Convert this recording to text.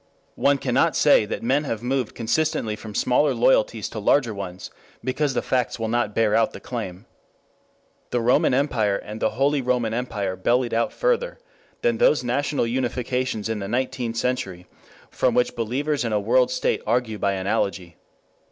One cannot say that men have moved consistently from smaller loyalties to larger ones, because the facts will not bear out the claim. The Roman Empire and the Holy Roman Empire bellied out further than those national unifications in the Nineteenth Century from which believers in a World State argue by analogy.